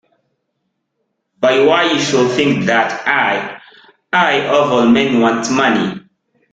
But why should you think that I — I, of all men — want money?